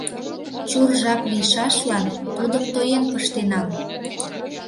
Чур жап лийшашлан тудым тоен пыштенам.